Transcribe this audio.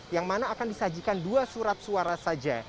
yang mana akan disajikan dua surat suara saja